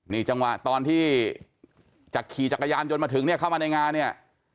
นี่จังหวะตอนที่จากขี่จักรยานยนต์มาถึงเนี่ยเข้ามาในงานเนี่ย